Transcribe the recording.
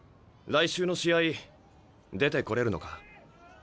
来週の試合出てこれるのか？